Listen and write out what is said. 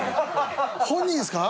本人ですか！？